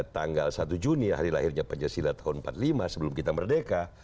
tanggal satu juni hari lahirnya pancasila tahun seribu sembilan ratus empat puluh lima sebelum kita merdeka